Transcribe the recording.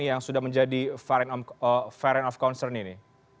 yang sudah menjadi variant of concern ini